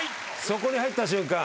そこに入った瞬間。